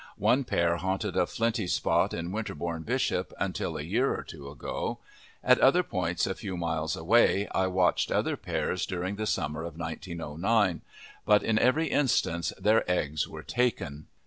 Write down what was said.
One pair haunted a flinty spot at Winterbourne Bishop until a year or two ago; at other points a few miles away I watched other pairs during the summer of 1909, but in every instance their eggs were taken.